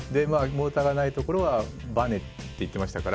モーターがない所はばねって言ってましたから。